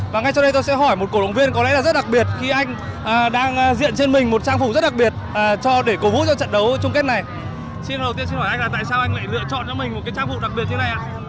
xin hỏi anh là tại sao anh lại lựa chọn cho mình một trang phục đặc biệt như này ạ